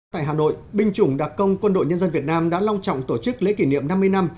tại hà nội binh chủng đặc công quân đội nhân dân việt nam đã long trọng tổ chức lễ kỷ niệm năm mươi năm